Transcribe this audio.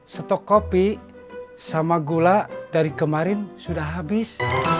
stok kopi sama gula dari kemarin sudah habis